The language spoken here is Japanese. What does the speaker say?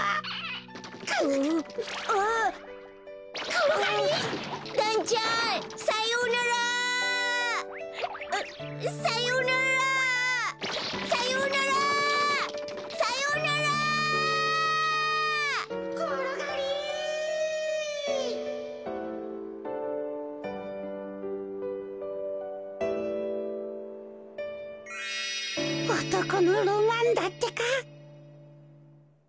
おとこのロマンだってか。